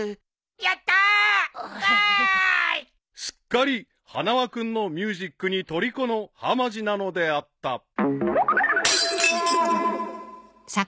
［すっかり花輪君のミュージックにとりこのはまじなのであった］